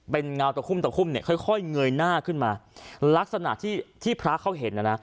เป็นเงาตะคุ่มตะคุ่มเนี่ยค่อยค่อยเงยหน้าขึ้นมาลักษณะที่ที่พระเขาเห็นน่ะนะ